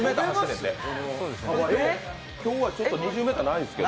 今日はちょっと２０ｍないんですけど。